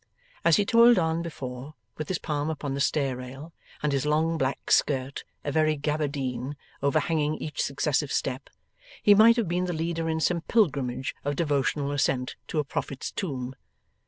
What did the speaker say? As he toiled on before, with his palm upon the stair rail, and his long black skirt, a very gaberdine, overhanging each successive step, he might have been the leader in some pilgrimage of devotional ascent to a prophet's tomb.